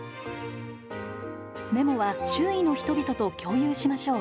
メモは周囲の人々と共有しましょう。